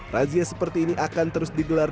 razia seperti ini akan terus digelar